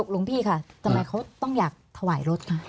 หลวงพี่ค่ะทำไมเขาต้องอยากถวายรถคะ